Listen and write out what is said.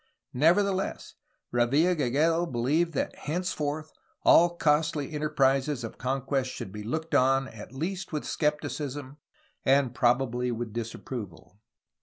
Nevertheless, Revilla Gigedo beUeved that henceforth all costly enter prises of conquest should be looked upon at least with scepticism and probably with disapproval.